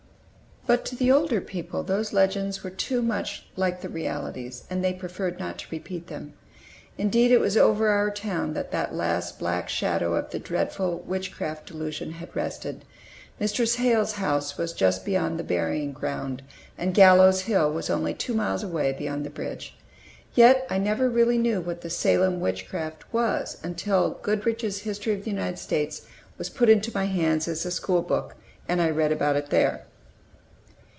But, to the older people, those legends were too much like realities, and they preferred not to repeat them. Indeed, it was over our town that the last black shadow of the dreadful witchcraft delusion had rested. Mistress Hale's house was just across the burying ground, and Gallows Hill was only two miles away, beyond the bridge. Yet I never really knew what the "Salem Witchcraft" was until Goodrich's "History of the United States" was put into my hands as a schoolbook, and I read about it there.